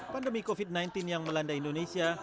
pandemi covid sembilan belas yang melanda indonesia